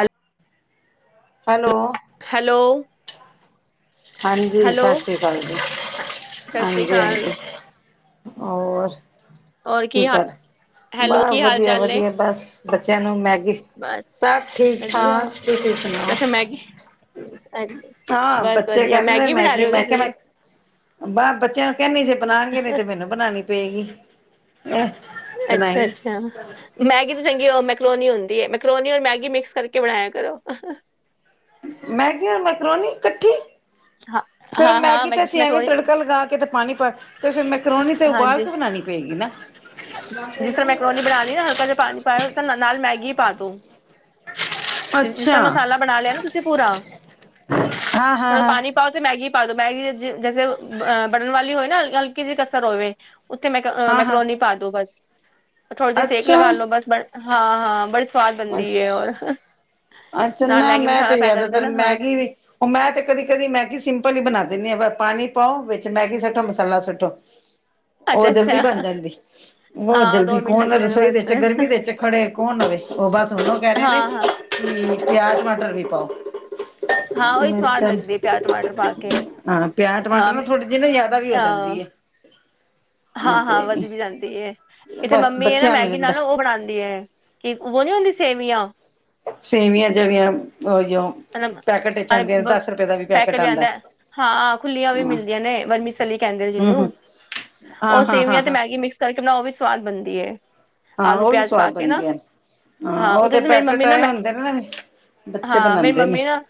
ਹੈਲ hello. Hello- ਹਾਂਜੀ hello Sat Sri ਅਕਾਲ ਜੀ, ਸਤਿ ਸ੍ਰੀ ਹਾਂਜੀ ਅਕਾਲ ਹਾਂਜੀ ਹੋਰ ਔਰ ਕੀ ਹਾਲ ਕਰਦੇ, ਹੈਲੋ ਮੈਂ ਕੀ ਹਾਲ ਵਧੀਆ ਚਾਲ ਨੇ ਵਧੀਆ ਬਸ ਬੱਚਿਆਂ ਨੂੰ ਮੈਗੀ, ਬਸ ਸਭ ਠੀਕ ਵਧੀਆ ਠਾਕ ਤੁਸੀ ਸੁਣਾਓ ਮੈਗੀ ਅੱਛਾ, ਹਾਂ ਬਸ ਵਧੀਆ ਬੱਚੇ ਕਹਿੰਦੇ ਨੇ ਮੈਗੀ ਬਣਾ ਰਹੇ ਮੈਂਗੀ ਹੋ ਮੈਂ ਕਿਹਾ ਮੈਂ, ਤੁਸੀਂ ਬ ਬੱਚਿਆਂ ਨੂੰ ਕਹਿੰਦੀ ਜੇ ਬਣਾਉਣਗੇ ਨ ਤੇ ਮੇ ਮੈਨੂੰ ਬਣਾਉਣੀ ਪਏਗੀ, ਅੱਛਾ ਬਣਾਏਗੀ ਅੱਛਾ ਮੈਗੀ ਤੋਂ ਚੰਗੀ ੳਹ ਮੈਕਰੋਨੀ ਹੁੰਦੀ ਹੈ, ਮੈਕਰੋਨੀ ਔਰ ਮੈਗੀ ਮਿਕਸ ਕਰਕੇ ਬਣਾਇਆ ਕਰੋ। ਮੈਂਗੀ ਔਰ ਮਕਰੋਣੀ ਇਕੱਠੀ! ਹਾਂ ਚਲੋਂ ਹਾਂ ਹਾਂ ਮੈਗੀ ਮੈਂ ਤੇ ਜਿਸ ਅਸੀ ਐਵੇਂ ਮੈਕਰੋਨੀ ਤੜਕਾ ਲਗਾ ਕੇ ਤੇ ਪਾਣੀ ਪਾ ਤੇ ਫਿਰ ਮੈਂ ਕਰੋਣੀ ਤੇ ਉਬਾਲ ਹਾਂਜੀ ਕੇ ਬਣਾਉਣੀ ਪਏਗੀ ਨਾ ਜਿਸ ਤਰ੍ਹਾਂ ਮੈਕਰੋਨੀ ਬਣਾ ਲਈ ਨਾ, ਹਲਕਾ ਜਿਹਾ ਪਾਣੀ ਪਾ ਨਾਲ ਮੈਗੀ ਪਾ ਦੋ ਜਿਸ ਅੱਛਾ ਤਰ੍ਹਾਂ ਮਸਾਲਾ ਬਣਾ ਲਿਆ ਨਾ ਤੁਸੀਂ ਪੂਰਾ ਹਾਂ ਹਾਂ ਥੋੜਾ ਹਾਂ ਪਾਣੀ ਪਾਓ ਤੇ ਮੈਗੀ ਪਾ ਦੋ ਮੈਗੀ ਜੈਸੇ ਬੈਟਰ ਵਾਲੀ ਹੋਏ ਨਾ ਹਲਕੀ ਜਿਹੀ ਕਸਰ ਹੋਵੇ ਉੱਥੇ ਮੈ ਹਾਂ ਹਾਂ ਮੈਕਰੋਨੀ ਪਾ ਦੋ ਬਸ ਥੋੜੀ ਜਹੇ ਸੇਕ ਅੱਛਾ ਲਗਾਲੋ ਬਸ ਹਾਂ ਹਾਂ ਬੜੀ ਸਵਾਦ ਬਣਦੀ ਹੈ ਔਰ ਅੱਛਾ ਅੱਛਾ ਨਾ ਮੈਂ ਤੇ ਜ਼ਿਆਦਾਤਰ ਮੈਗੀ ਵੀ ਉਹ ਮੈਂ ਤੇ ਕਦੀ ਕਦੀ ਮੈਗੀ ਸਿੰਪਲ ਹੀ ਬਣਾ ਦਿੰਦੀ ਹਾਂ ਪਾਣੀ ਪਾਓ ਵਿੱਚ ਮੈਗੀ ਸੁੱਟੋ ਮਸਾਲਾ ਸੁੱਟੋ [inaudible] ਉਹ ਜਲਦੀ ਬਣ ਜਾਂਦੀ ਬਹੁਤ ਹਾਂ ਜਲਦੀ ਮਿੰਟ ਕੌਣ ਲੱਗਦੇ ਨੇ ਰਸੋਈ ਦੇ ਬਸ ਚ ਗਰਮੀ ਦੇ ਵਿੱਚ ਖੜੇ ਕੌਣ ਰਵੇ ਉਹ ਬਸ ਹੋ ਕਹਿ ਰਹੇ ਹਾਂ ਨੇ ਹਾਂ ਹੂ ਪਿਆਜ਼ ਟਮਾਟਰ ਵੀ ਪਾਓ ਹਾਂ ਉਹੀ ਸਵਾਦ ਚੱਲ ਲੱਗਦੀ ਹੈ ਪਿਆਜ਼ ਟਮਾਟਰ ਪਾ ਕੇ ਹਾਂ ਪਿਆਜ ਹਾਂ ਟਮਾਟਰ ਨਾ ਮੈਂ ਥੋੜੇ ਜਿਹੀ ਨਾ ਜ਼ਿਆਦਾ ਵੀ ਹੋ ਅ, ਜਾਂਦੀ ਹੈ। ਹਾਂ ਹਾਂ ਤੇ ਵੱਜ ਵੀ ਜਾਂਦੀ ਇੱਥੇ ਬਸ ਮੰਮੀ ਹੈ ਨਾ ਬੱਚਿਆਂ ਨੂੰ ਮੈਗੀ ਜਾਂਦਾ ਨਾਲ ਉਹ ਬਣਾਉਂਦੀ ਹੈ। ਕਿ ਉਹ ਨੀ ਹੁੰਦੀ ਸੇਵੀਆਂ ਸੇਵੀਆਂ ਜਿਹੜੀਆਂ ਹੋ ਹੀ ਪੈਕਟ ਆਉਂਦਾ ਰਹਿੰਦਾ ਹਾਂ ਖੁੱਲੀਆਂ ਵੀ ਹਾਂ ਮਿਲਦੀਆਂ ਨੇ ਛੱਲੀ ਕਹਿੰਦੇ ਨੇ ਹਮ ਜਿਹਨੂੰ ਹਮ ਹਾਂ ਉਹ ਹਾਂ ਹਾਂ ਸੇਵੀਆਂ ਤੇ ਹਾਂ ਮੈਗੀ ਮਿਕਸ ਕਰਕੇ ਬਣਾ ਉਹ ਵੀ ਸਵਾਦ ਬਣਦੀ ਹੈ। ਹਾਂ ਉਹ ਵੀ ਸਵਾਦ ਬਣਦੀ ਆ ਹਾਂ ਉਹ ਉਹਦੇ ਤੇ ਚ ਮੇਰੀ ਮੰਮੀ ਪੈਕੇਟ ਨਾ ਆਏ ਮੈਂ ਹੁੰਦੇ ਨੇ ਬੱਚੇ ਹਾਂ ਮੇਰੀ ਬਣਾਉਂਦੇ ਨੇ ਮੰਮੀ ਨਾ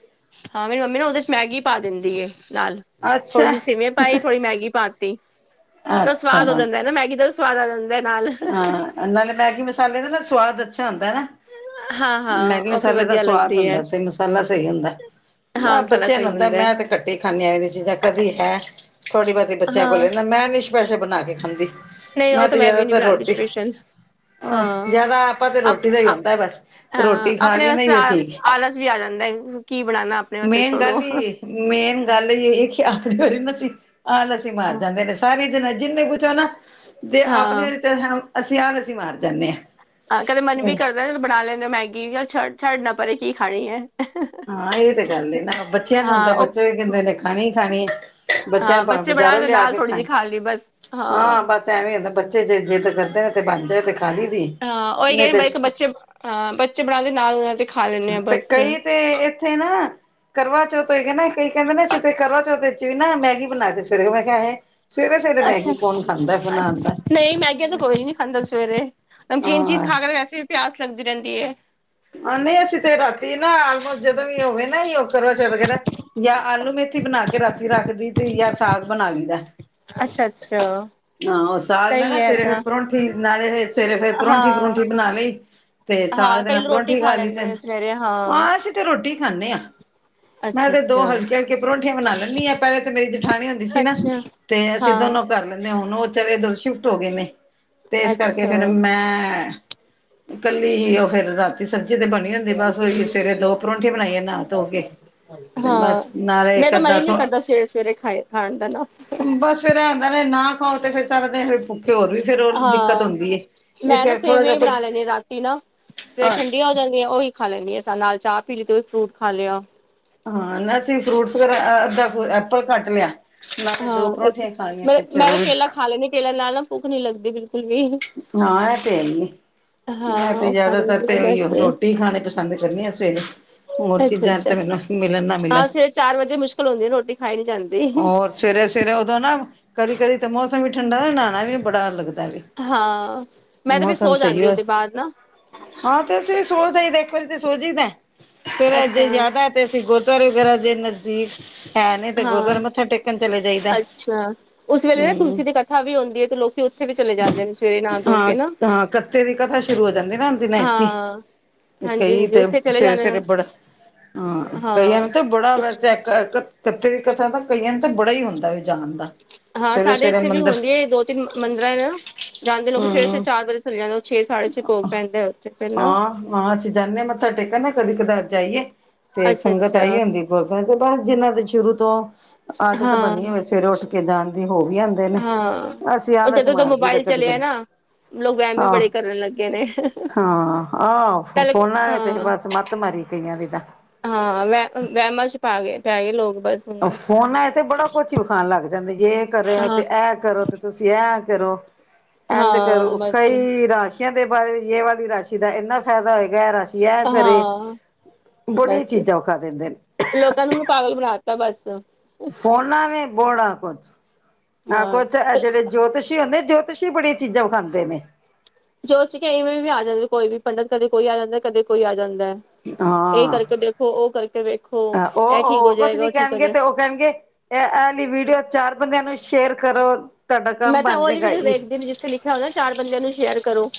ਹਾਂ ਮੇਰੀ ਮੰਮੀ ਨਾ ਉਹਦੇ ਚ ਮੈਗੀ ਪਾ ਦਿੰਦੀ ਹੈ ਨਾਲ ਥੋੜੀ ਅੱਛਾ ਜਿਹੀ ਸੇਵੀਆਂ ਪਾਈ ਥੋੜੀ ਮੈਗੀ ਪਾ ਤੀ ਤਾਂ ਅੱਛਾ ਸਵਾਦ ਹੋ ਹਾਂ ਜਾਂਦਾ ਨਾ ਮੈਗੀ ਦਾ ਸਵਾਦ ਆ ਜਾਂ ਇਹਦੇ ਨਾਲ ਹਾਂ ਨਾਲੇ ਮੈਗੀ ਮਸਾਲੇ ਦਾ ਨਾ ਸਵਾਦ ਅੱਛਾ ਆਦਾ ਨਾ। ਹਾਂ ਹਾਂ ਮੈਗੀ ਉਹ ਫਿਰ ਮਸਾਲੇ ਦਾ ਵਧੀਆ ਸਵਾਦ ਲੱਗਦੀ ਹੈ ਬੰਦਾ ਸਈ ਮਸਾਲਾ ਸਈ ਹੁੰਦਾ। ਹਾਂ ਮੈਂ ਮਸਾਲਾ ਬੱਚਿਆਂ ਨੂੰ ਸਹੀ ਹੁੰਦਾ ਮੈਂ ਤੇ ਕੱਟੇ ਹੀ ਖਾਂਨੀ ਆ ਏਦੀ ਚੀਜ਼ਾਂ ਕਦੀ ਹੈ। ਥੋੜੀ ਬੋਤੀ ਬੱਚਿਆਂ ਹਾਂ ਕੋਲ ਨਾ ਮੈਂ ਨੀ ਸਪੈਸ਼ਲ ਬਣਾ ਕੇ ਖਾਂਦੀ। ਨਹੀਂ ਓ ਤਾਂ ਤੇ ਮੈਂ ਵੀ ਨੀ ਜ਼ਿਆਦਾਤਰ ਬਣਾਦੀ ਰੋਟੀ ਸਪੇਸ਼ਲ। ਹਾਂ ਜ਼ਿਆਦਾ ਆਪਾਂ ਤੇ ਰੋਟੀ ਦਾ ਹੀ ਹੁੰਦਾ ਬਸ ਹਾਂ ਰੋਟੀ ਖਾ ਆਪਣੇ ਲਈ ਵਾਸਤੇ ਨਹੀਂ ਉਹ ਠੀਕ ਤਾਂ ਆਲਸ ਵੀ ਆ ਜਾਂਦਾ ਕੀ ਬਣਾਨਾ ਆਪਣੇ ਵਾਸਤੇ ਮੇਨ ਗੱਲ ਛੋੜੋ। ਹੀ ਮੇਨ ਗੱਲ ਏਹ ਕੀ ਆਪਣੇ ਵਾਰੀ ਨਾ ਅਸੀ ਆਲਸ ਈ ਮਾਰ ਹਾਂ। ਜਾਂਦੇ ਨੇ। ਸਾਰੇ ਜਨ ਜਿਨੇ ਪੁੱਛੋ ਨਾ ਤੇ ਆਪਣੀ ਵਾਰੀ ਹਾਂ ਤੇ ਅਸੀਂ ਆਲਸ ਈ ਮਾਰ ਜਾਨੇ ਆ। ਹਾਂ ਕਦੇ ਮਨ ਵੀ ਕਰਦਾ ਬਣਾ ਲੈਨੇ ਓ ਮੈਗੀ ਛੱਡ ਨਾ ਪਰੇ ਕੀ ਖਾਣੀ ਹੈ। ਹਾਂ ਏ ਤੇ ਗੱਲ ਏ ਨਾ ਬੱਚਿਆਂ ਨੂੰ ਹਾਂ ਹੁੰਦਾ ਉਹ ਬੱਚੇ ਵੀ ਕਹਿੰਦੇ ਨੇ ਖਾਣੀ-ਖਾਣੀ ਹਾਂ ਬੱਚੇ ਬਣਾਣ ਤੇ ਨਾਲ ਥੋੜੀ ਜੀ ਖਾਲੀ ਬਸ ਹਾਂ। ਐਵੇਂ ਹੁੰਦਾ ਬੱਚੇ ਜੇ ਜਿੱਦ ਕਰਦੇ ਨੇ ਤਾਂ ਬਣਦੇ ਤਾਂ ਖਾਲੀ ਦੀ। ਹਾਂ ਓਈ ਨਹੀਂ ਇਹ ਮੈਂ ਕਿਹਾ ਤੇ ਬੱਚੇ ਆ ਬੱਚੇ ਬਣਾਦੇ ਨਾਲ ਤੇ ਖਾ ਲੈਂਨੇ ਆ ਤੇ ਬਸ। ਕਈ ਤੇ ਏਥੇ ਨਾ ਕਰਵਾ ਚੌਥ ਹੋਏਗਾ ਨਾ ਕਈ ਕੈਂਦੇ ਨੇ ਅਸੀ ਤੇ ਕਰਵਾਚੌਥ ਵਿੱਚ ਵੀ ਨਾ ਮੈਗੀ ਬਣਾ ਕੇ ਸਵੇਰੇ ਮੈਂ ਕਿਆ ਹੈ। ਸਵੇਰੇ ਸਵੇਰੇ ਅੱਛਾ ਮੈਗੀ ਕੌਣ ਖਾਂਦਾ ਅੱਛਾ ਬਣਾਉਂਦਾ ਨਹੀਂ ਮੈਗੀ ਤਾਂ ਕੋਈ ਵੀ ਨੀ ਖਾਂਦਾ ਸਵੇਰੇ। ਨਮਕੀਨ ਚੀਜ਼ ਖਾ ਕੇ ਹਾਂ ਵੈਸੇ ਵੀ ਪਿਆਸ ਲੱਗਦੀ ਰੈਂਦੀ ਏ। ਆਨੇ ਅਸੀਂ ਤੇ ਕਰਦੀ ਨਾ ਜਦੋਂ ਵੀ ਹੋਵੇ ਨਾ ਦਰਵਾਜ਼ਾ ਵਗੈਰਾ ਯਾਂ ਆਲੂ ਮੇਥੀ ਬਣਾ ਕੇ ਰਾਤੀ ਰੱਖਦੀ ਤੇ ਜਾਂ ਸਾਗ ਬਣਾ ਲਈ ਦਾ। ਅੱਛਾ-ਅੱਛਾ। ਹਾਂ ਓ ਸਾਗ ਨਾ-ਨਾ ਸਵੇਰੇ ਫਿਰ ਪਰੋਂਂਠੀ ਨਾਲੇ ਫਿਰ ਸਵੇਰੇ ਫਿਰ ਪਰੋਂਂਠੀ ਹਾਂ ਪੁਰੋਂਂਠੀ ਬਣਾ ਲਈ। ਤੇ ਹਾਂ ਸਾਗ ਦੇ ਨਾਲ ਕਈ ਰੋਟੀ ਪਰੋਂਠੀ ਖਾ ਲਈ ਲੈਂਦੇ ਤੇ ਨੇ ਸਵੇਰੇ ਹਾਂ ਅਸੀਂ ਤੇ ਰੋਟੀ ਖਾਂਨੇ ਆ। ਮੈਂ ਅੱਛਾ ਤੇ ਦੋ ਅੱਛਾ ਹਲਕੇ-ਹਲਕੇ ਪਰੌਂਠੀਆਂ ਬਨਾ ਲੈਂਨੀ ਆ, ਪੈਲੇ ਤਾਂ ਮੇਰੀ ਜਠਾਣੀ ਹੁੰਦੀ ਸੀ ਨਾ ਅੱਛਾ ਤੇ ਅਸੀਂ ਹਾਂ ਦੋਨੋਂ ਕਰ ਲੈਂਨੇ ਆ ਹੁਣ ਓ ਚਲੇ ਦ [unintelligible] ਸ਼ਿਫਟ ਹੋਗੇ ਨੇ, ਤੇ ਇਸ ਕਰਕੇ ਅੱਛਾ ਫੇਰ ਮੈਂ ਕੱਲੀ ਹੀ ਓ ਫੇਰ ਰਾ ਤੀ ਸਬਜ਼ੀ ਤੇ ਬਣੀ ਹੁੰਦੀ, ਬਸ ਓਈ ਸਵੇਰੇ ਦੋ ਪਰੋਂਂਠੀਆ ਬਣਾਈਏ ਨਾ ਧੋਕੇ ਤੇ ਹਾਂ ਬਸ ਨਾਲੇ ਮੈਂ ਇਕ ਤਾਂ ਮਨ ਹੀ ਅੱਧਾ ਨਹੀਂ ਕਰਦਾ ਸਵੇਰੇ ਸਵੇਰੇ ਖਾਏ ਖਾਣ ਦਾ ਨਾ [unintelligible] ਬਸ ਫੇਰ ਐ ਹੁੰਦਾ ਨਾ ਖਾਓ ਤੇ ਫਿਰ ਸਾਰਾ ਦਿਨ ਭੁੱਖ ਤੇ ਹੋਰ ਵੀ ਫੇਰ ਓ ਦਿੱਕਤ ਹਾਂ ਹੁੰਦੀ ਏ, ਇਸ ਕਰਕੇ ਥੋੜਾ ਜਾ ਕੁੱਛ ਈ ਨਾ, ਸਵੇਰੇ ਠੰਡੀਆਂ ਹੋ ਜਾਂਦੀਆਂ ਓਹੀ ਖਾ ਲੈਂਨੀ ਆ ਨਾਲ ਚਾਹ ਪੀ ਲਈ ਤੇ [unintelligible] ਫਰੂਟ ਖਾ ਲਿਆ। ਹਾਂ ਨਾ ਅਸੀਂ ਫਰੂਟਸ ਵਗੈਰਾ ਅੱਧਾ ਕ ਐਪਲ ਕੱਟ ਲਿਆ ਨਾਲੇ ਦੋ ਹਾਂ ਇਕ ਪਰੌਂਠੀਆਂ ਖਾ ਲਈਆਂ ਮੈਂ ਤੇ ਤਾਂ ਚਲੋ ਕੇਲਾ ਖਾ ਲੈਂਨੀ ਆ, ਕੇਲਾ ਨਾਲ ਨਾ ਭੁੱਖ ਨੀ ਲੱਗਦੀ ਬਿਲਕੁੱਲ ਹਾਂ ਤੇ ਹੈ ਈ ਏ। ਹਾਂ ਮੈਂ ਤੇ ਉਹ ਖਾ ਜਾਦਾਤਰ ਲੈਂਦੀ ਆ ਤੇ ਓ ਈ ਬਸ ਓ, ਰੋਟੀ ਖਾਣੀ ਪਸੰਦ ਕਰਨੀ ਆ ਸਵੇਰੇ ਹੋਰ ਅੱਛਾ ਚੀਜ਼ਾਂ ਅੱਛਾ ਤੇ ਮੈਨੂੰ ਮਿਲਣ ਨਾ ਮਿਲ ਹਾਂ ਸਵੇਰੇ ਚਾਰ ਵਜੇ ਮੁਸ਼ਕਿਲ ਹੁੰਦੀ ਏ ਰੋਟੀ ਖਾਈ ਨੀ ਜਾਂਦੀ। ਹੋਰ ਸਵੇਰੇ ਸਵੇਰੇ ਉਦੋਂ ਨਾ ਕਦੀ ਕਦੀ, ਤਾਂ ਮੌਸਮ ਵੀ ਠੰਡਾ ਨਾ ਨਹਾਣਾ ਵੀ ਬੜਾ ਲੱਗ ਹਾਂ, ਮੈਂ ਤੇ ਫੇ ਸੋ ਸਹੀ ਜਾਂਦੀ ਹੋ ਓਦੇ ਬਾਦ ਨਾ ਹਾਂ ਤੇ ਸੋ ਜਾਈਦੈ ਇੱਕ ਵਾਰੀ ਤੇ ਸੋ ਜੀਦੈ, ਫੇਰ ਅੱਛਾ ਜੇ ਜਾਦੈ ਤੇ ਅਸੀ ਗੁਰਦੁਵਾਰਾ ਵਗੈਰਾ ਦੇ ਨਜ਼ਦੀਕ ਹੈ ਨੇ ਤੇ ਗੁਰਦੁਆਰੇ ਹਾਂ ਮੱਥਾ ਟੇਕਣ ਚਲੇ ਜਾਈਦਾ ਅੱਛਾ, ਉਸ ਵੇਲੇ ਨਾ ਤੁਲਸੀ ਦੀ ਕਥਾ ਵੀ ਹੁੰਦੀ ਏ ਤੇ ਲੋਕੀ ਵੀ ਚਲੇ ਜਾਂਦੇ ਨੇ ਸਵੇਰੇ ਨਹਾ ਧੋ ਕੇ ਨਾ ਹਾਂ-ਹਾਂ ਕੱਤੇ ਦੀ ਕਥਾ ਸ਼ੁਰੂ ਹੋ ਜਾਂਦੀ ਐ ਨਾ ਦਿਨੈ ਚ ਈ। ਹਾਂ ਹਾਂਜੀ ਕਈ ਹਾਂਜੀ ਤੇ ਉੱਥੇ ਚਲੇ ਜਾਂਦੇ ਸਵੇਰੇ-ਸਵੇਰੇ ਨੇ ਬੜਾ, ਹਾਂ ਕਈਆਂ ਹਾਂ ਨੂੰ ਤੇ ਬੜਾ ਵੈਸੇ ਕ ਕਤ ਕਤੇ ਦੀ ਕਥਾ ਤਾਂ ਕਈਆਂ ਨੂੰ ਤਾਂ ਬੜਾ ਈ ਹੁੰਦਾ ਜਾਣ ਵੇ ਦਾ ਹਾਂ ਸਵੇਰੇ ਸਾਡੇ ਸਵੇਰੇ ਏਥੇ ਵੀ ਮੰਦਿਰ ਹੁੰਦੀ ਐ, ਦੋ ਤਿੰਨ ਮੰਦਿਰਾਂ [unintelligible] ਜਾਂਦੇ ਲੋਕ ਸਵੇ ਸ ਹਮ ਚਾਰ ਵਜੇ ਚੱਲ ਜਾਂਦੇ ਛੇ ਸਾਢੇ ਛੇ ਭੋਗ ਪੈਂਦਾ ਉੱਥੇ ਪੈਲਾਂ ਹਾਂ ਹਾਂ ਅਸੀਂ ਜਾਂਨੇ ਆ ਮੱਥਾ ਟੇਕਣ ਨਾ ਕਦੇ ਕਦਾਰ ਜਾਈਏ, ਤੇ ਅੱਛਾ ਸੰਗਤ ਆਈ ਅੱਛਾ ਹੁੰਦੀ ਗੁਰਦੁਆਰੇ ਚ ਬਸ ਜਿਨਾਂ ਦੇ ਸ਼ੁਰੂ ਤੋਂ, ਆਦਤ ਹਾਂ ਬਣੀ ਹੋਵੇ ਸਵੇਰੇ ਉੱਠ ਕੇ ਜਾਣ ਦੀ ਹੋ ਵੀ ਆਂ ਆਂਦੇ ਨੇ, ਹਾਂ ਅਸੀਂ ਉਹ ਆਲਸ਼ ਜਦੋਂ ਦਾ ਮਾਰ ਜਈਦਾ ਮੋਬਾਇਲ ਚਲਿਆ ਕਦੀ-ਕਦੀ ਨਾ ਲੋਕ ਵਹਿਮ ਵੀ ਆਹ ਬੜੇ ਕਰਨ ਲੱਗੇ ਨੇ ਹਾਂ ਆ, ਪਹਿਲੇ ਫੋਨਾਂ ਨੇ ਤੇ ਹਾਂ ਬਸ ਮੱਤ ਮਾਰੀ ਕਈਆਂ ਦੀ ਤਾਂ ਹਾਂ ਵ ਵਹਿਮਾਂ ਚ ਪਾ ਗਏ ਪੈ ਗਏ ਲੋਕ ਬਸ ਹੁਣ ਫੋਨਾ ਵਿਚ ਤਾਂ ਬੜਾ ਕੁਛ ਵਿਖਾਣ ਲੱਗ ਜਾਂਦਾ ਜੇ ਇਹ ਕਰੇ, ਹਾਂ ਤੇ ਇਹ ਕਰੋ ਤੇ ਤੁਸੀਂ ਐਂ ਕਰੋ, ਇੰਝ ਹਾਂ ਕਰੋ, ਬਸ ਕਾਈ ਰਾਸ਼ੀ ਆਂ ਦੇ ਬਾਰੇ ਜੇ ਵਾਲੀ ਰਾਸ਼ੀ ਦਾ ਇੰਨਾ ਫਾਇਦਾ ਹੋਏਗਾ, ਐ ਰਾਸ਼ੀ ਦਾ ਆ ਕਰੇ, ਹਾਂ ਬੜੀ ਬਸ ਚੀਜ਼ਾਂ ਵਿਖਾ ਦਿੰਦੇ ਨੇ ਲੋਕਾਂ ਨੂੰ ਮ ਪਾਗਲ ਬਣਾਤਾ ਬੱਸ, ਫੋਨਾਂ ਨੇ ਬੜਾ ਆ ਕੁਛ, ਆਹ ਹਾਂ ਕੁਛ ਜਿਹੜੇ ਜੋਤਿਸ਼ ਦੇ ਜੋਤਸ਼ੀ ਬੜੀਆਂ ਚੀਜ਼ਾਂ ਵਿਖਾਉਦੇ ਨੇ ਜੋਤਸ਼ੀ ਕੋਈ ਇਵੇਂ ਵੀ ਆ ਜਾਂਦੇ, ਕੋਈ ਵੀ ਪੰਡਿਤ ਕਦੇ ਕੋਈ ਆ ਜਾਂਦਾ, ਕਦੇ ਕੋਈ ਆ ਜਾਂਦਾ। ਇਹ ਹਾਂ ਕਰਕੇ ਦੇਖੋ, ਉਹ ਕਰਕੇ ਦੇੇਖੋ ਉਹ ਹੋਰ ਕੁਛ ਨੀ ਕਹਿਣਗੇ ਤੇ ਉਹ ਕਹਿਣਗੇ ਇਹ ਇਹਲੀ ਵੀਡੀਓ ਚਾਰ ਬੰਦਿਆਂ ਨੂੰ ਸ਼ੇਅਰ ਕਰੋ ਤੁਹਾਡਾ ਮੈਂ ਕੰਮ ਤਾਂ ਉਹ ਬਣ ਵਾਲੀ ਜਾਏਗਾ ਵੀਡੀਓ ਜੀ ਵੇਖਦੀ ਨੀ, ਜਿੱਥੇ ਲਿਖਿਆ ਹੁੰਦਾ ਨਾ ਚਾਰ ਬੰਦਿਆਂ ਨੂੰ ਸ਼ੇਅਰ ਕਰੋ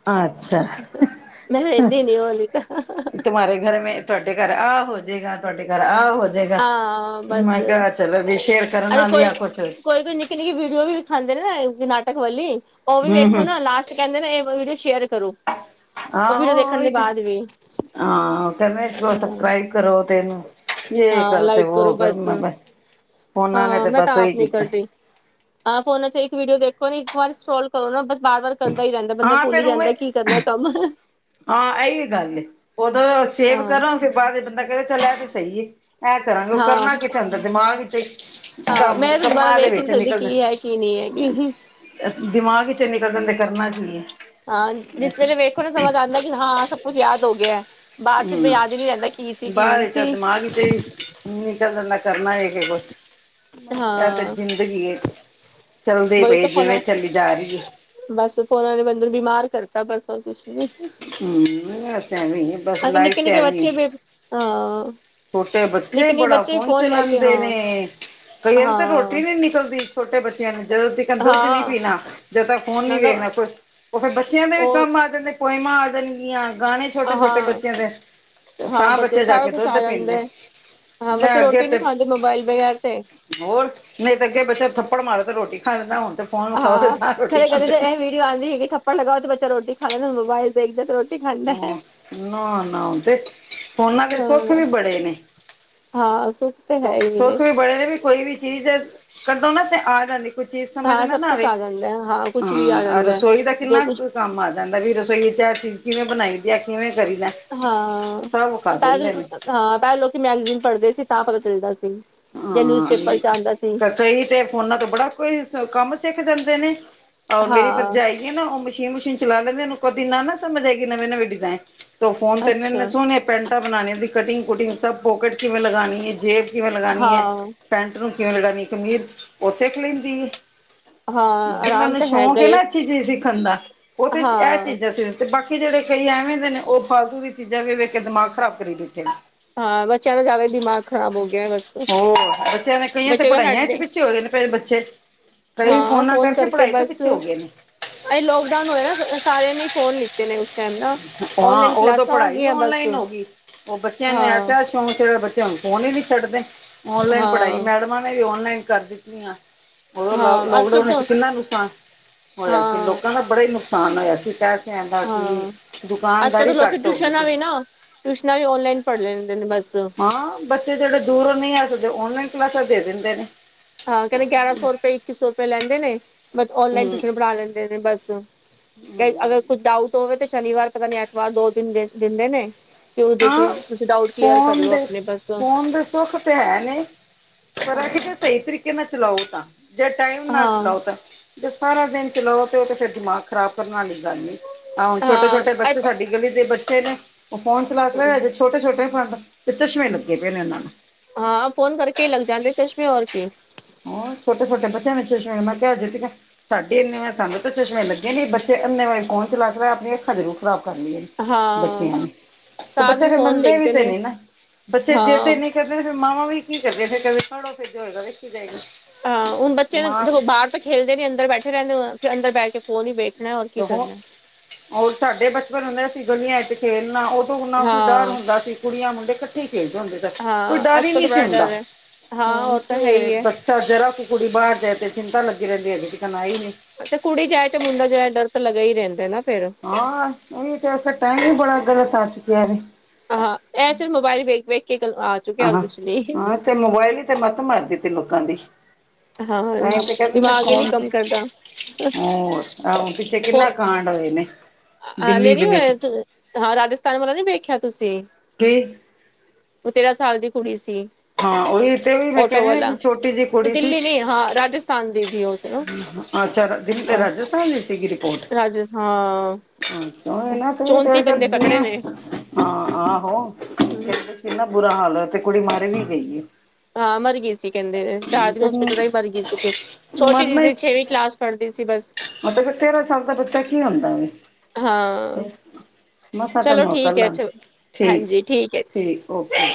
ਅੱਛਾ ਮੈਂ ਵਹਿੰਦੀ ਨੀ ੳਹ ਲੀ ਤਾਂ ਤੁਮਾਰੇ ਘਰ ਮੈਂ ਤੁਹਾਡੇ ਘਰ ਆ ਹੋਜੇਂਗਾ, ਤੁਹਾਡੇ ਘਰ ਆ ਹੋਜਾ ਹਾਂ ਮੈਂ ਬਸ ਕਿਹਾ ਚਲੋ ਜੀ, ਸ਼ੇਅਰ ਕਰਨ ਅਰੇ ਨਾਲ ਵੀ ਕੋਈ ਆ ਕੁਛ ਕੋਈ ਕੋਈ ਨਿੱਕੀ ਵੀਡੀਓ ਵੀ ਵਿਖਾਂਦੇ ਨਾ ਨਾਟਕ ਵਾਲੀ, ਉਹ ਵੀ ਹੂੰ ਵੇਖੋ ਹੂੰ ਨਾ ਲਾਸਟ ਚ ਕਹਿੰਦੇ ਨੇ ਇਹ ਵੀਡੀਓ ਸ਼ੇਅਰ ਕਰੋ। ਉਹ ਆਹੋ ਵੀਡੀਓ ਦੇਖਣ ਉਹੀ ਦੇ ਤੇ, ਬਾਅਦ ਵੀ ਹਾਂ ਕਹਿੰਦੇ ਨੇ ਹਾਂ ਸਬਸਕਰਾਈਬ ਕਰੋ ਤੇ ਇਹਨੂੰ ਜੇ ਕਰੋ, ਤੇ ਉਹ ਕਰੋ, ਮੈਂ ਬਸ ਉਹਨਾਂ ਨੇ ਹਾਂ ਤੇ ਮੈਂ ਤਾਂ ਬਸ ਉਹੀ ਆਪ ਨੀ ਕੀਤਾ ਕਰਦੀ ਹਾਂ ਫੋਨਾ ਚ ਇੱਕ ਵੀਡੀਓ ਦੇਖੋ ਇੱਕ ਵਾਰ ਸਟੋਲ ਕਰੋ ਨਾ ਬਸ ਬਾਰ ਵਾਰ ਕਰਦਾ ਹੀ ਰਹਿੰਦਾ, ਬੰਦਾ ਹਾਂ ਭੁੱਲ ਹੀ ਫੇਰ ਉਵੇਂ ਜਾਂਦਾ ਕੀ ਕਰਨਾ ਕੰਮ ਹਾਂ ਇਹੀ ਗੱਲ ਹੈ, ਉਦੋਂ ਸੇਵ ਹਾਂ ਕਰੋ ਫਿਰ ਬਾਅਦ ਵਿਚ ਦੇ ਬੰਦਾ ਕਹਿੰਦਾ ਦਾ ਚੱਲ ਇਹ ਵੀ ਸਹੀ ਹੈ ਐਂ ਕਰਾਂਗੇ, ਉਹ ਹਾਂ ਕਰਨਾ ਕਿਥੇ ਹੁੰਦਾ ਅੰਦਰ ਦਿਮਾਗ ਵਿੱਚ ਹੀ ਹਾਂ ਕੰਮ ਮੈਂ ਦੁਬਾਰਾ ਕੰਮਾਂ ਦੇ ਵੇਖ ਹੀ ਨੀ ਵਿੱਚ ਸਕਦੀ ਨਿਕਲਦਾ ਕੀ ਹੈ ਕੀ ਨਹੀਂ ਹੈ ਕੀ, ਦਿਮਾਗ ਚ ਨਿਕਲ ਜਾਂਦਾ ਕਰਨਾ ਕੀ ਹੈ ਹਾਂ ਜਿਸ ਵੇਲੇ ਵੇਖੋ ਨਾ ਸਮਝ ਆਉਂਦਾ ਕਿ ਹਾਂ, ਸਭ ਕੁੱਛ ਯਾਦ ਹੋ ਗਿਆ। ਬਾਅਦ ਚ ਮੈਂ ਯਾਦ ਹੀ ਨੀ ਰਹਿੰਦਾ ਕੀ ਸੀ ਕੀ ਨਹੀਂ ਸੀ। ਹਾਂਜੀ [unintelligible] ਨਿਕਲ ਜਾਂਦਾ, ਕਰਨਾ ਹੀ ਕਿ ਕੁਛ [unintelligible] ਬਸ ਇਹ ਤੇ ਹਾਂ ਜ਼ਿੰਦਗੀ ਐ, ਚੱਲਦੇ ਹੀ ਵਹੀ ਪਏ ਤਾਂ ਜਿਵੇਂ ਫੋਨਾ ਚੱਲੀ ਜਾ ਰਹੀ ਹੈ। ਬਸ ਫੋਨਾਂ ਨੇ ਬੰਦਾ ਨੂੰ ਬਿਮਾਰ ਕਰਤਾ ਬਸ ਹੋਰ ਕੁਛ ਨੀ ਹੂੰਮ, ਬਸ ਐਵੇਂ ਹੀ ਆ ਅਜਕਲ ਨਿੱਕੇ ਨਿੱਕੇ ਬੱਚੇ ਵੀ ਅ ਛੋਟੇ ਬੱਚੇ ਬੜਾ ਫੋਨ ਕੇ ਚਲਾਉਂਦੇ ਨੇ! ਹਾਂ ਕਈਆਂ ਨੂੰ ਤਾਂ ਰੋਟੀ ਹਾਂ ਨੀ ਨਿਕਲਦੀ ਛੋਟੇ ਬੱਚਿਆਂ ਨੂੰ, ਜਦੋਂ ਤੱਕ ਦੁੱਧ ਨੀ ਹਾਂ ਪੀਣਾ ਜਦੋਂ ਤੱਕ ਫੋਨ ਨਾ ਨੀ ਨਾ ਵੇਖਣਾ, ਉ ਫਿਰ ਬੱਚਿਆਂ ਦੇ ਵੀ ਉਹ ਕੰਮ ਆ ਜਾਂਦੇ ਪੋਇਮਾਂ ਆ ਜਾਂਣਗੀਆਂ ਗਾਣੇ ਛੋਟੇ ਛੋਟੇ ਹਾਂ ਬੱਚਿਆਂ ਤੇ, ਤਾ ਬੱਚੇ ਜਾ ਕੇ ਦੁੱਧ ਜਾਂਦੇ ਪੀਂਦੇ ਹਾਂ ਬੱਚੇ ਅੱਗੇ ਰੋਟੀ ਨੀ ਤੇ ਖਾਂਦੇ ਮੋਬਾਇਲ ਬਗੈਰ ਤੇ ਹੋਰ, ਨਹੀਂ ਤਾਂ ਅੱਗੇ ਬੱਚਾ ਥੱਪੜ ਮਾਰੋ ਤੇ ਰੋਟੀ ਖਾ ਲੈਂਦਾ ਹੁਣ ਤੇ ਫੋਨ ਵਿਖਾਓ ਤੇ ਤਾਂ ਰੋਟੀ ਖਾਂਦੇ ਨੇ ਆਂਦੀ ਹੈਗੀ ਥੱਪੜ ਲਗਾਓ ਤੇ ਬੱਚਾ ਰੋਟੀ ਖਾ ਲੈਂਦਾ, ਮੋਬਾਇਲ ਦੇਖਦੇ ਤੇ ਰੋਟੀ ਖਾਂਦਾ ਹੈ ਹ ਨਾ ਨਾ, ਤੇ ਫੋਨਾ ਦੇ ਸੁੱਖ ਹਾਂ ਵੀ ਬੜੇ ਨੇ ਹਾਂ ਸੁੱਖ ਤੇ ਹੈ ਹੀ। ਨੇ ਸੁੱਖ ਵੀ ਬੜੇ ਨੇ ਵੀ, ਕੋਈ ਵੀ ਚੀਜ਼ ਕਢੋ ਨਾ ਆ ਜਾਂਦੀ ਚੀਜ਼ ਸਮਝ ਹਾਂ ਨਾ ਸਭ ਨਾ ਕੁਛ ਆਵੇ ਆ ਜਾਂਦਾ ਹੈ ਹਾਂ ਕੁਛ ਵੀ ਆ ਹਾਂ, ਜਾਂਦਾ ਰਸੋਈ ਦਾ ਹੈ ਜੋ ਕਿੰਨਾ ਕੁਛ ਕੰਮ ਆ ਜਾਂਦਾ ਵੀ ਰਸੋਈ ਵਿਚ ਇਹ ਚੀਜ਼ ਕਿਵੇਂ ਬਣਾਈ ਦੀ, ਆ ਕਿਵੇਂ ਕਰੀ ਦਾ ਹਾਂ, ਸਭ ਵਿਖਾ ਪਹਿ ਦਿੰਦੇ ਨੇ। ਹਾਂ ਪਹਿਲ ਲੋਕੀ ਮੈਗਜ਼ੀਨ ਪੜ੍ਹਦੇ ਸੀ ਤਾਂ ਪਤਾ ਚੱਲਦਾ ਸੀ ਜਾਂ ਨਿਊਜ਼ਪੇਪਰ ਚ ਆਉਂਦਾ ਸੀ। ਹਾਂ ਕਈ ਤੇ ਫੋਨਾ ਤੋਂ ਬੜਾ ਕੁਈ ਕੰਮ ਸਿੱਖ ਦਿੰਦੇ ਨੇ, ਔਰ ਮੇਰੀ ਹਾਂ ਭਰਜਾਈ ਨਾ ਉਹ ਮਸ਼ੀਨ ਮਸ਼ੀਨ ਚਲਾ ਲੈਂਦੇ, ਉਹਨੂੰ ਕਦੀ ਨਾ ਸਮਝ ਆਏਗੀ ਨਵੇਂ ਨਵੇਂ ਡਿਜ਼ਾਇਨ ਤ ਫੋਨ ਤੇ ਇਨੇ ਇ ਅੱਛਾ ਸਹਣੀਆਂ ਪੈਂਟਾਂ ਬਣਾਉਣੀਆਂ, ਉਹਦੀ ਕਟਿੰਗ ਕੁਟਿੰ ਸ ਪੋਕਟ ਕਿਵੇਂ ਲਗਾਉਣੀ ਹੈ ਜੇਬ ਕਿਵੇਂ ਲਗਾਉਣੀ ਹੈ ਹਾਂ। ਪੈਂਟ ਨੂੰ ਕਿਵੇਂ ਲਗਾਣੀ ਸੀਨ, ਉਹ ਸਿਖ ਲੈਂਦੀ ਹੈ। ਹਾਂ ਜਿਨਾਂ ਆਰਾਮ ਨੂੰ ਤਾਂ ਸ਼ੌਂਕ ਹੈਗਾ ਹੈ ਹੀ ਨਾ ਅੱਛੀ ਚੀਜ਼ ਸਿੱਖਣ ਦਾ, ਉਹ ਤੇ ਇਹ ਹਾਂ ਚੀਜ਼ਾਂ ਸਿਖਣ ਤੇ ਬਾਕੀ ਜਿਹੜੇ ਕਈ ਐਵੇਂ ਦੇ ਨੇ, ਉਹ ਫਾਲਤੂ ਦੀਆਂ ਚੀਜ਼ਾਂ ਵੀ ਵੇਖ ਕੇ ਦਿਮਾਗ ਖ਼ਰਾਬ ਕਰੀ ਦਿੱਤੇੇ ਨੇ। ਹਾਂ ਬੱਚਿਆਂ ਦਾ ਜ਼ਿਆਦਾ ਦਿਮਾਗ ਖਰਾਬ ਹੋ ਗਿਆ ਵ ਹੋਰ ਬੱਚਿਆਂ ਨੇ ਕਈਆਂ ਤੇ ਪੜ੍ਹਾਈਆਂ ਚ' ਹਟਦੇ ਪਿੱਛੇ ਹੋ ਰਹੇ ਨੇ ਫੇਰ ਬੱਚੇ, ਕਈ ਹਾਂ ਫੋਨਾਂ ਕਰਕੇ ਪੜ੍ਹਾਈ ਤੋਂ ਪਿੱਛੇ ਹੋ ਗਏ ਨੇ ਅ ਲੋਕਡਾਊਨ ਹੋਇਆ ਨਾ ਸਾਰਿਆਂ ਨੇ ਫੋਨ ਲਿਤੇ ਹਾਂ ਉਹ ਤੇ ਹੋ ਪੜ੍ਹਾਈ ਵੀ ਗਈਆਂ ਬਸ ਔਨਲਾਈਨ ਹੋ ਗਈ, ਉਹ ਬੱਚਿਆਂ ਨੂੰ ਹਾਂ ਐਸਾ ਸ਼ੋਂਕ ਚੜਿਆ ਬ ਬੱਚੇ ਹੁਣ ਫੋਨ ਹੀ ਨੀ ਛੱਡਦੇ, ਓਨਲਾਈਨ ਪੜ੍ਹਾਈ ਹਾਂ ਮੈਡਮਾਂ ਨੇ ਵੀ ਔਨਲਾਈਨ ਕਰ ਦਿੱਤੀਆਂ। ਉਦੋਂ ਲਾ ਹਾਂ ਅਜ ਲੋਕਡਾਊਨ ਸਭ ਵਿੱਚ ਤੋਂ ਕਿੰਨਾ ਨੁਕਸਾਨ ਹੋਇਆ ਸੀ ਹਾਂ ਲੋਕਾਂ ਦਾ ਬੜਾ ਹੀ ਨੁਕਸਾਨ ਹੋਇਆ ਸੀ ਸ਼ਹਿਦ ਕਹਿੰਦਾ ਸੀ। ਅੱਜ-ਕੱਲ੍ਹ ਤਾਂ ਲੋਕ ਘੱਟ ਹੋ ਗਈ ਟਿਊਸ਼ਨਾਂ ਸੀ। ਵੀ ਨਾਂ ਟਿਊਸ਼ਨਾਂ ਵੀ ਔਨਲਾਈਨ ਪੜ੍ਹ ਲੈਂਦੇ ਨੇਂ ਬਸ ਹਾਂ ਬੱਚੇ ਜਿਹੜੇ ਦੂਰੋਂ ਨਈਂ ਆ ਸਕਦੇ, ਔਨਲਾਈਨ ਕਲਾਸਾਂ ਦੇ ਦਿੰਦੇ ਨੇ। ਹਾਂ ਕਹਿੰਦੇ ਗਿਆਰਾਂ ਸੌ ਰੁਪਏ, ਇੱਕੀ ਸੌ ਰੁਪਏ ਲੈਂਦੇ ਨੇ ਬਸ ਔਨਲਾਈਨ ਹੂੰ ਟਿਸ਼ਨ ਪੜ੍ਹਾ ਲੈਂਦੇ ਨੇ ਬਸ ਅਗਰ ਕੁਛ ਡਾਊਟ ਹੋਵੇ ਤੇ ਸ਼ਨੀਵਾਰ ਪਤਾ ਨੀਂ ਐਤਵਾਰ ਦੋ ਦਿਨ ਦਿੰਦੇ ਨੇ। ਕਿ ਉਹਦੇ ਚ ਹਾਂ ਤੁਸੀਂ ਡਾਊਟ ਕਲੀਅਰ ਕਰ ਫੋਨ ਲੋ ਦੇ ਆਪਣੇ ਬਸ ਹਾਂ ਫੋਨ ਦੇ ਸੁੱਖ ਤੇ ਹੈ ਨੇ ਪਰ ਇਹ ਕਿ ਤੇ ਸਹੀ ਤਰੀਕੇ ਨਾ ਚਲਾਓ ਤਾਂ ਜੇ ਟਾਈਮ ਨਾ ਹਾਂ ਚਲਾਓ ਤਾਂ ਜੇ ਸਾਰਾ ਦਿਨ ਚਲਾਓ ਤੇ ਉਹ ਤੇ ਫੇਰ ਦਿਮਾਗ ਖ਼ਰਾਬ ਕਰਨ ਵਾਲੀ ਗੱਲ ਐ ਆ ਹੁਣ ਹਾਂ ਛੋਟੇ-ਛੋਟੇ ਬੱਚੇ ਸਾਡੀ ਗਲੀ ਦੇ ਬੱਚੇ ਨੇ ਉਹ ਫੋਨ ਚਲਾਂਦੇ [unintelligible] ਛੋਟੇ-ਛੋਟੇ ਫੰਡ ਤੇ ਚਸ਼ਮੇ ਲੱਗੇ ਪਏ ਨੇ ਉਹਨਾਂ ਨੂੰ। ਹਾਂ ਫੋਨ ਕਰਕੇ ਲੱਗ ਜਾਂਦੇ ਚਸ਼ਮੇ ਹੋਰ ਕਿ ਹੋਰ ਛੋਟੇ-ਛੋਟੇ ਬੱਚਿਆਂ ਨੂੰ ਚਸ਼ਮੇ ਲੱਗੇ [unintelligible] ਸਾਡੇ ਇੰਨੀਂ ਏ ਸਾਨੂੰ ਤਾਂ ਚਸ਼ਮੇ ਲੱਗੇ ਨੀ, ਬੱਚੇ ਅੰਨੇ ਵਾ ਫੋਨ ਚਲਾ-ਚਲਾ ਆਪਣੀ ਅੱਖਾਂ ਜ਼ਰੂਰ ਖਰਾਬ ਕਰ ਲਈਏ। ਹਾਂ ਬੱਚਿਆਂ ਨੂੰ ਤੇ ਸਾਰਾ ਬੱਚਾ ਦਿਨ ਫਿਰ ਫੋਨ ਮੰਨਦੇ ਵੀ ਦੇਖਦੇ ਤੇ ਨੇ ਨੀ ਨਾ ਬੱਚੇ ਜਿਦ ਹਾਂ ਇਨੀਂ ਫਿਰ ਮਾਵਾ ਵੀ ਕੀ ਕਰਦੇ ਫਿਰ ਕਦੇ ਛੋੜੋ ਫਿਰ ਜੋ ਹੋਏਗਾ ਵੇਖੀ ਜਾਏਗੀ। ਹਾਂ ਹੁਣ ਬੱਚੇ ਮਾਂ ਜਦੋਂ ਬਾਹਰ ਤਾਂ ਖੇਲਦੇ ਨੀ ਅੰਦਰ ਬੈਠੇ ਰਹਿੰਦੇ ਫਿਰ ਅੰਦਰ ਬੈਠ ਕੇ ਫੋਨ ਹੀ ਵੇਖ ਓਹੋ, ਹੋਰ ਸਾਡੇ ਬਚਪਨ ਹੁੰਦੇ ਸੀ ਅਸੀ ਗਲੀਆਂ ਇੱਚ ਖੇਲਣਾ ਉਦੋਂ ਨਾਂ ਕੋਈ ਡਰ ਹਾਂ ਹੁੰਦਾ ਸੀ ਕੁੜੀਆਂ ਮੁੰਡੇ ਕੱਠੇ ਈ ਖੇਲਦੇ ਹੁੰਦੇ ਸਨ। ਕੋਈ ਹਾਂ ਡਰ ਅੱਜ ਈ ਕਲ ਤਾਂ ਨਈਂ ਸੀ ਬੜਾ ਹੁੰਦਾ ਡਰ ਹੈ ਹਾਂ ਹੁਣ ਉਹ ਤਾਂ ਤੇ ਹੈ ਹੀ ਹੈ ਬ ਘਰ ਜਰਾ ਕੁ ਕੁੜੀ ਬਾਹਰ ਜਾਏ ਤੇ ਚਿੰਤਾ ਲੱਗੀ ਰਹਿੰਦੀ ਹੈਗੀ ਅਜੇ ਤੀਕਨ ਆਈ ਨੀਂ। ਤੇ ਕੁੜੀ ਜਾਏ ਚ ਮੁੰਡਾ ਜਾਏ ਡਰ ਤਾਂ ਲੱਗਾ ਹੀ ਰਹਿੰਦਾ ਨਾ ਫੇਰ ਹਾਂ ਏਹੀ ਤੇ [unintelligible] ਟਾਈਮ ਹੀ ਬੜਾ ਗਲਤ ਆ ਚੁੱਕਿਆ [unintelligible] ਆਹਾਂ ਇਹ ਮੋਬਾਇਲ ਵੇਖ-ਵੇਖ ਕੇ ਆ ਚੁੱਕਿਆ ਹੋਰ ਹਾਂ ਕੁਛ ਨੀਂ। ਹਾਂ ਤੇ ਮੋਬਾਇਲ ਹੀ ਤੇ ਮੱਤ ਮਾਰ ਦਿੱਤੀ ਲੋਕਾਂ ਦੀ। ਹਾਂ ਤਾਂ ਹੀ ਤੇ ਕਿਹਣੀ ਮੈਂ ਦਿਮਾਗ ਹੀ ਨਹੀਂ ਸੋਣ ਕੰਮ ਕਰਦਾ [unintelligible] ਹੋਰ ਆਹੋ, ਪਿੱਛੇ ਕਿੰਨਾ ਕਾਂਡ ਹੋਏ ਨੇ ਹਲੇ ਦਿੱਲੀ ਨੀ ਦੇ ਵਿੱਚ। ਹੋਇਆ ਤੂੰ? ਹਾਂ ਰਾਜਸਥਾਨ ਵਾਲਾ ਨੀਂ ਵੇਖਿਆ ਤੁਸੀਂ। ਕੀ? ਉਹ ਤੇਰਾਂ ਸਾਲ ਦੀ ਕੁੜੀ ਸੀ। ਹਾਂ ਉਹੀ ਤੇ ਵੀ ਮੈਂ ਆਟੋ ਕਹਿ ਵਾਲਾ ਵੀ ਛੋਟੀ ਜੀ ਦਿੱਲੀ ਨੀਂ ਹਾਂ ਰਾਜਸਥਾਨ ਦੀ ਸੀ ਉਸ ਨੂੰ ਅੱਛਾ ਰਾਜਸਥਾਨ ਦਿ ਸੀਗਿ ਰੀਪੋਟ ਰੱਜ, ਹਾਂ। ਉਹੀ ਨਾ ਤੂੰ ਪੇੜ ਚੌਂਤੀ ਬੰਦੇ ਕੱਟਦੇ ਪਕੜੇ ਆ ਨੇ ਹਾਂ ਹਾਂ ਆਹੋ। ਹਮ ਕਿੰਨਾ ਬੁਰਾ ਹਾਲ ਹੋਇਆ ਤੇ ਕੁੜੀ ਮਰ ਵੀ ਗਈ ਐ। ਹਾਂ ਮਰ ਗਈ ਸੀ ਕਹਿੰਦੇ ਚਾਰ ਦਿਨ ਤੇ ਹੋਸਪਿਟਲ ਰਹੀ ਮਰ ਗਈ ਸੀ ਫਿਰ ਛੋਟੀ ਜਿਹੀ ਮਰਨਾ ਸੀ ਹੀ ਛੇਵੀਂ ਕਲਾਸ ਪੜ੍ਹਦੀ ਸੀ ਬਸ ਮਤਲਬ ਕਿ ਤੇਰ੍ਹਾਂ ਸਾਲ ਦਾ ਬੱਚਾ ਕੀ ਹੁੰਦਾ ਵੇ। ਹਾਂ ਮਸਾ ਚਲੋ ਤੈਨੂੰ ਠੀਕ ਅਕਲ ਹੈ ਆ ਅੱਛਾ ਠੀਕ ਹਾਂਜੀ ਠੀਕ ਹੈ ਜੀ ਠੀਕ ਓਕੇ।